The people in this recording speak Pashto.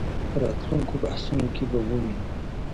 په راتلونکو بحثونو کې به ووینو.